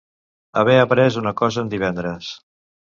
Haver après una cosa en divendres.